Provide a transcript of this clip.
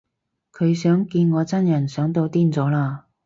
佢想見我真人想到癲咗喇